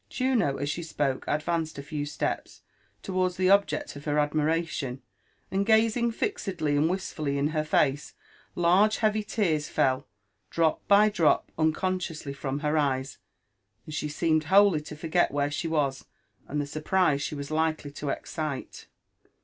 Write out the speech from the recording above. Juno as she spoke adtaneeda lew steps towards the obieet of her adniralion, and gazing fixedly and wistfully in her face, large heavy tears fell drop by drop uneonseioQsly from her eyes, and she seemed wholly to forget where she was, and the surprise she was likely to ex cite.